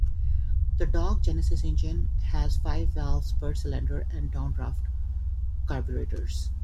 The dohc Genesis engine has five valves per cylinder and downdraft carburetors.